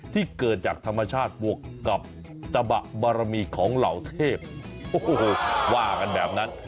ที่เกิดจากธรรมชาติบวกกับตะบะบารมีของเหล่าเทพโอ้โหว่ากันแบบนั้น